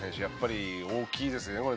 やっぱり大きいですね